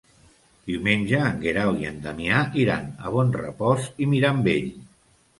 Diumenge en Guerau i en Damià iran a Bonrepòs i Mirambell.